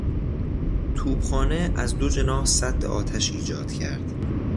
توپخانه از دو جناح سد آتش ایجاد کرد.